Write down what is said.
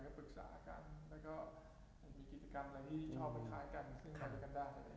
ก็ปรึกษากันและก็มีกิจกรรมอะไรที่ชอบคล้ายกัน